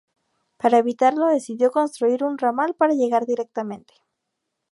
Para evitarlo decidió construir un ramal para llegar directamente.